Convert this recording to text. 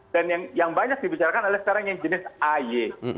dan yang banyak dibicarakan adalah sekarang yang jenis ay